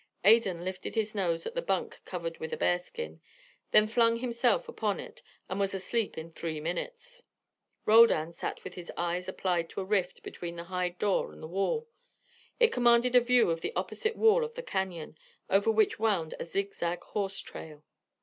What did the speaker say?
Adan lifted his nose at the bunk covered with a bearskin, then flung himself upon it, and was asleep in three minutes. Roldan sat with his eyes applied to a rift between the hide door and the wall. It commanded a view of the opposite wall of the canon, over which wound a zig zag horse trail.